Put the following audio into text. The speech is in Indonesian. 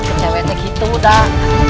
ke ceweknya gitu dah